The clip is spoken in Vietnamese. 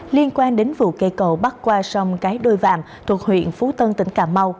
liên quan đến vụ cây cầu bắt qua sông cái đôi vàm thuộc huyện phú tân tỉnh cà mau